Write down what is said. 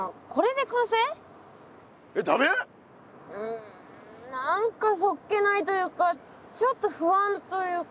うんなんかそっけないというかちょっとふあんというか。